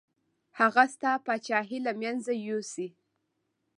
هغه ستا پاچاهي له منځه یوسي.